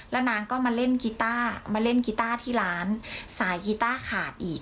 แล้วนางก็มาเล่นกีต้ามาเล่นกีต้าที่ร้านสายกีต้าขาดอีก